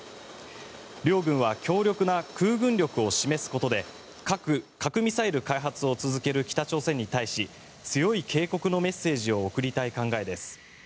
両軍は強力な空軍力を示すことで核ミサイル開発を続ける北朝鮮に対し強い警告のメッセージを送りたい考えです。